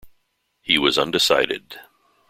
He was undecided.